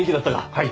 はい。